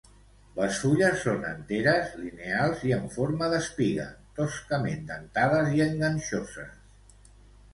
Les fulles són enteres, lineals i en forma d'espiga, toscament dentades i enganxoses.